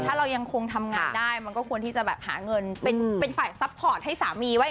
ถ้าเรายังคงทำงานได้มันก็ควรที่จะแบบหาเงินเป็นฝ่ายซัพพอร์ตให้สามีไว้